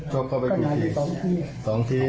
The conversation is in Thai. ชกเข้าไปกี่ที